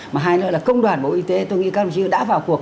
mà hai nữa là công đoàn bộ y tế tôi nghĩ các đồng chí đã vào cuộc